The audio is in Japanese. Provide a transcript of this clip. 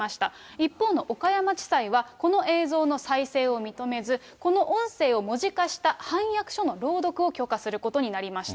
一方の岡山地裁は、この映像の再生を認めず、この音声を文字化した反訳書の朗読書を許可することになりました。